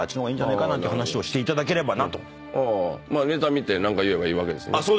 見て何か言えばいいわけですね。